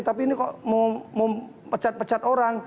tapi ini kok mau pecat pecat orang